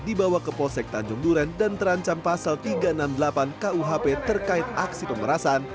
dibawa ke polsek tanjung duren dan terancam pasal tiga ratus enam puluh delapan kuhp terkait aksi pemerasan